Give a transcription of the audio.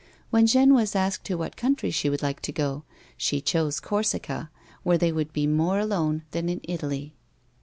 When Jeanne was asked to what country she should like to go, she chose Corsica, where they would be more alone than in Italy.